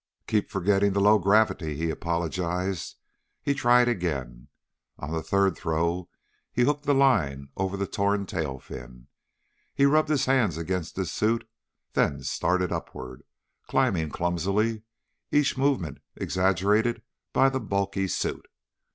"Keep forgetting the low gravity," he apologized. He tried again. On the third throw he hooked the line over the torn tailfin. He rubbed his hands against his suit then started upward, climbing clumsily, each movement exaggerated by the bulky suit.